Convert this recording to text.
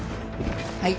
はい。